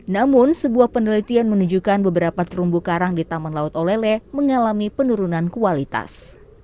namun sebuah penelitian menunjukkan beberapa terumbu karang di taman laut olele mengalami penurunan kualitas